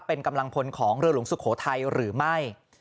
เป็นกำลังพลของเรือหลวงสุโขทัยหรือไม่